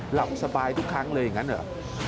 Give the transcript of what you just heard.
หลับสบายทุกครั้งเลยอย่างนั้นเหรอ